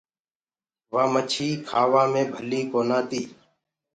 وآ مڇي ديکوآ مي ڀلي ڪونآ تي۔